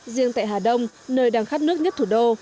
riêng tại hà đông nơi đang khát nước nhất thủ đô